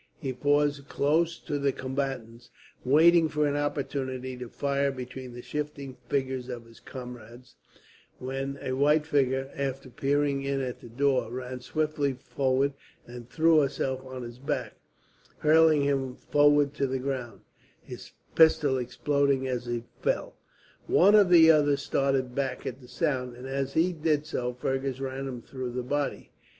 He paused close to the combatants, waiting for an opportunity to fire between the shifting figures of his comrades; when a white figure, after peering in at the door, ran swiftly forward and threw herself on his back, hurling him forward to the ground, his pistol exploding as he fell. One of the others started back at the sound, and as he did so Fergus ran him through the body.